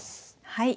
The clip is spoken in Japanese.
はい。